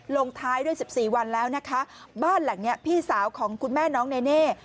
ลงท้ายด้วย๑๔วันแล้วนะคะบ้านหลังนี้พี่สาวของคุณแม่น้องเนเน่